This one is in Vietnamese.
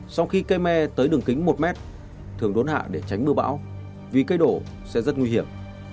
sau khi cây me tới đường kính một mét thường đốn hạ để tránh mưa bão vì cây đổ sẽ rất nguy hiểm